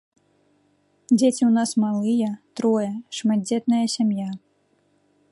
Дзеці ў нас малыя, трое, шматдзетная сям'я.